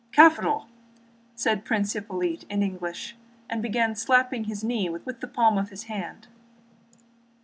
"Capital!" said Prince Hippolyte in English, and began slapping his knee with the palm of his hand.